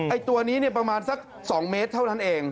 ไอ้ตัวนี้เนี่ยประมาณสัก๒เมตรเท่านั้นเอง